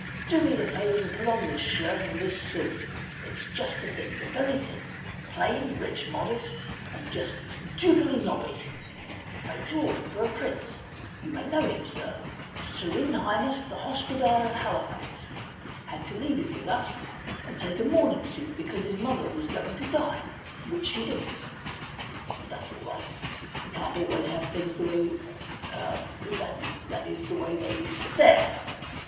Do me the favour to put on this shirt and this suit ; it's just the thing, the very thing — plain, rich, modest, and just ducally nobby; made to order for a foreign prince — you may know him, sir, his Serene High ness the Hospodar of Halifax ; had to leave it with us and take a mourning suit because his mother was going to die — which she didn't. But that's all right ; we can't always have things the way we — that is, the way they — there